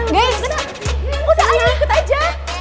guys kok tak ada yang ikut aja